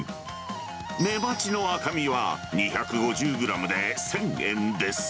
メバチの赤身は２５０グラムで１０００円です。